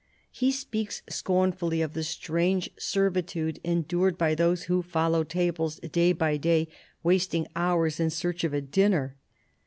He speaks scornfully of the "strange servitude" endured by those who " follow tables " day by day, wasting hours in search of a dinner.